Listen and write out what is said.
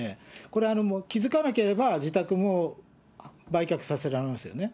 これ、気付かなければ自宅も売却させられますよね。